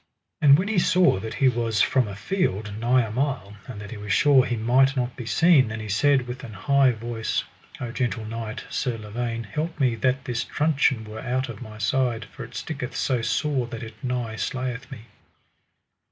And when he saw that he was from the field nigh a mile, that he was sure he might not be seen, then he said with an high voice: O gentle knight, Sir Lavaine, help me that this truncheon were out of my side, for it sticketh so sore that it nigh slayeth me.